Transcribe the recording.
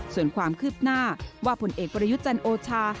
ส่วนความคืบหน้าว่าผลเอกประยุทธ์จันโอชา